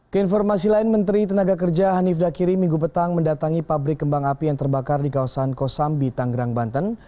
keinformasi lain menteri tenaga kerja hanif dakiri minggu petang mendatangi pabrik kembang api yang terbakar di kawasan kosambi tanggerang banten